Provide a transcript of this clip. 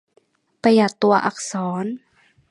ประหยัดตัวอักษร